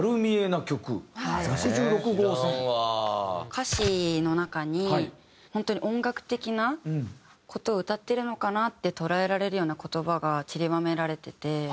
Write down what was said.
歌詞の中に本当に音楽的な事を歌ってるのかなって捉えられるような言葉がちりばめられていて。